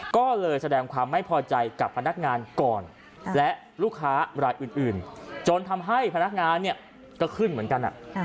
ก็เลยแสดงความไม่พอใจกับพนักงานก่อนและลูกค้ารายอื่นจนทำให้พนักงานเนี่ยก็ขึ้นเหมือนกัน